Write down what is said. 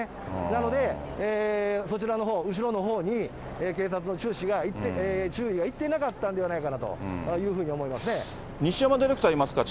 なので、そちらのほう、後ろのほうに警察の注意がいっていなかったんではないかなと思い西山ディレクターいますか？